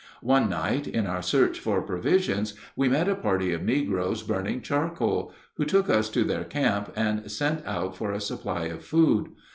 One night, in our search for provisions, we met a party of negroes burning charcoal, who took us to their camp and sent out for a supply of food.